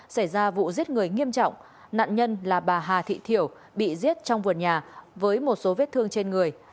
xảy ra vụ giết người nghiêm trọng nạn nhân là bà hà thị thiểu bị giết trong vườn nhà với một số vết thương trên người